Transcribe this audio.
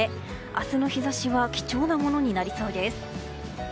明日の日差しは貴重なものになりそうです。